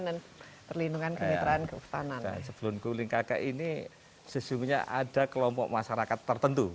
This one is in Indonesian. dan perlindungan kemitraan kehutanan sebelum kulin kaka ini sesungguhnya ada kelompok masyarakat